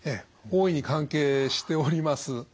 大いに関係しております。